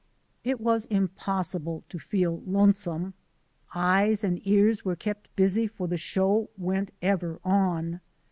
It was impossible to feel lonesome. Eyes and ears were kept busy for the show went ever on.